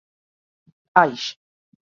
Aix